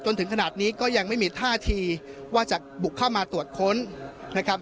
จนถึงขนาดนี้ก็ยังไม่มีท่าทีว่าจะบุกเข้ามาตรวจค้นนะครับ